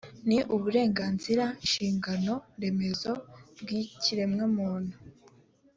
ni uburenganzira nshingano remezo bw ikiremwamuntu